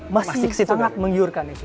masih sangat mengyurkan ya